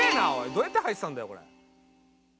どうやって入ってたんだよこれ。